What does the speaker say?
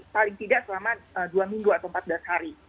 paling tidak selama dua minggu atau empat belas hari